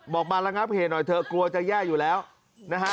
มาระงับเหตุหน่อยเถอะกลัวจะแย่อยู่แล้วนะฮะ